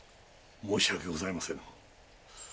申し訳ございませぬ。